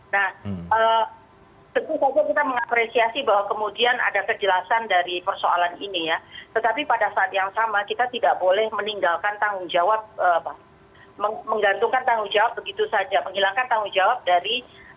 nah tentu saja kita mengapresiasi bahwa kemudian ada kejelasan dari persoalan ini ya tetapi pada saat yang sama kita tidak boleh meninggalkan tanggung jawab menggantungkan tanggung jawab begitu saja menghilangkan tanggung jawab dari